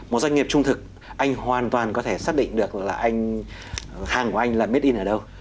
một doanh nghiệp trung thực anh hoàn toàn có thể xác định được là hàng của anh là made in ở đâu